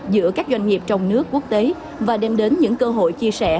giữa các doanh nghiệp trong nước quốc tế và đem đến những cơ hội chia sẻ